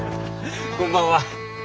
こんばんは。